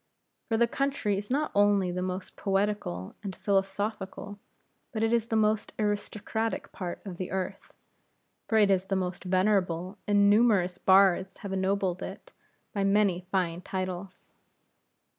For the country is not only the most poetical and philosophical, but it is the most aristocratic part of this earth, for it is the most venerable, and numerous bards have ennobled it by many fine titles.